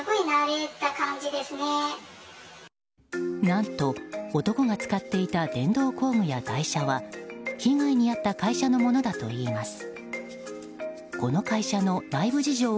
何と、男が使っていた電動工具や台車は被害に遭った会社のものだといいます。